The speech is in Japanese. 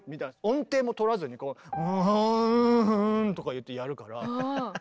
音程も取らずにウゥフフンとか言ってやるから。